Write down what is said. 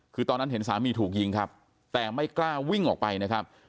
คือตอนนั้นเห็นสามีถูกยิงครับแต่ไม่กล้าวิ่งออกไปนะครับ